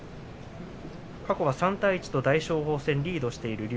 過去は３対１と大翔鵬にリードしています。